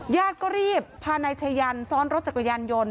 ญาติก็รีบพานายชายันซ้อนรถจักรยานยนต์